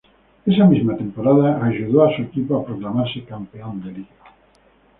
Esa misma temporada ayudó a su equipo a proclamarse campeón de Liga.